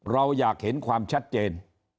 เราอยากเห็นความชัดเจน